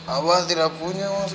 abah tidak punya mas